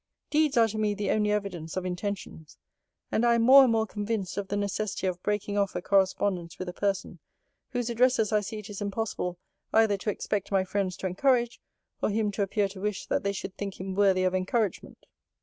Deeds are to me the only evidence of intentions. And I am more and more convinced of the necessity of breaking off a correspondence with a person, whose addresses I see it is impossible either to expect my friends to encourage, or him to appear to wish that they should think him worthy of encouragement.